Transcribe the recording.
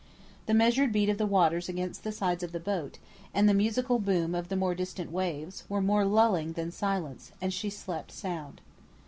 The measured beat of the waters against the sides of the boat, and the musical boom of the more distant waves, were more lulling than silence, and she slept sound.